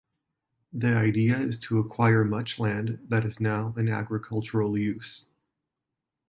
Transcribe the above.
The idea is to acquire much land that is now in agricultural use.